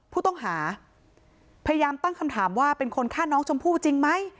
ผู้ต้องหาพยายามตั้งคำถามว่าเป็นคนฆ่าน้องชมพู่จริงไหม